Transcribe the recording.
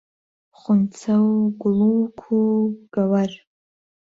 خونچە و گوڵووک و گەوەر